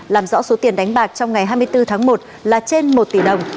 làm rõ số tiền đánh bạc trong ngày hai mươi bốn tháng một là trên một tỷ đồng